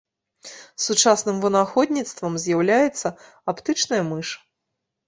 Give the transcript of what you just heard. Сучасным вынаходніцтвам з'яўляецца аптычная мыш.